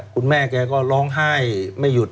คุณแม่แกก็ร้องไห้ไม่หยุด